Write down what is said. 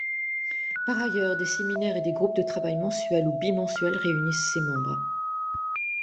Par ailleurs, des séminaires et groupes de travail mensuels ou bimensuels réunissent ses membres.